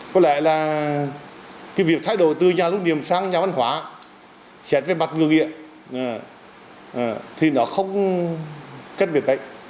có lẽ là cái việc thay đổi từ nhà lưu niệm sang nhà văn hóa sẽ về mặt người nghịa thì nó không kết biệt đấy